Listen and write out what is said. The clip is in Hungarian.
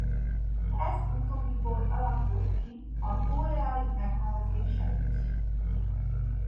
Ez utóbbiból alakult ki a koreai megnevezése is.